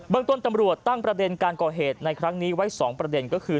ต้นตำรวจตั้งประเด็นการก่อเหตุในครั้งนี้ไว้๒ประเด็นก็คือ